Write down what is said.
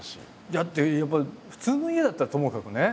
だってやっぱり普通の家だったらともかくね